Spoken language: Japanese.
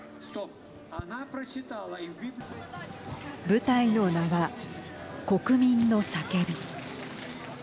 舞台の名は、国民の叫び。